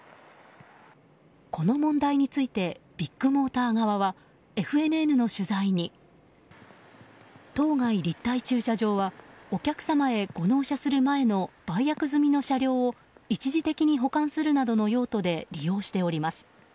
この問題についてビッグモーター側はＦＮＮの取材に当該立体駐車場はお客様へご納車する前の売約済みの車両を一時的に保管するなどの用途で利用しております。